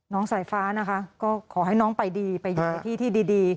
สายฟ้านะคะก็ขอให้น้องไปดีไปอยู่ในที่ที่ดี